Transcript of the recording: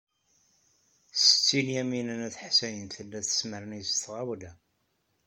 Setti Lyamina n At Ḥsayen tella tesmernay s tɣawla.